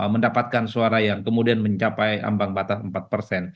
mendapatkan suara yang kemudian mencapai ambang batas empat persen